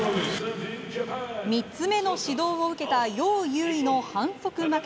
３つ目の指導を受けたヨウ・ユウイの反則負け。